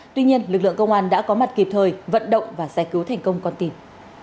tuy nhiên lực lượng công an đã có mặt kịp thời vận động và giải cứu thành công con tin